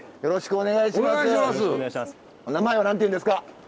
お名前は何ていうんですか？